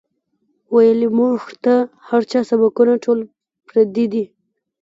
وئیلـي مونږ ته هـر چا سبقــونه ټول پردي دي